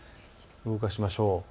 動かしましょう。